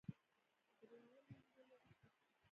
درېیمې نجلۍ عکس اخیست.